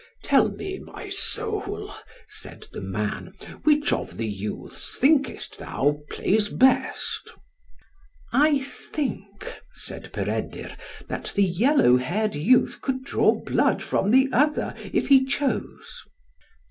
"Tell me, my soul," said the man, "which of the youths thinkest thou plays best?" "I think," said Peredur, "that the yellow haired youth could draw blood from the other, if he chose."